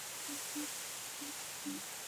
alingojea maagizo ya wafanyikazi wa meli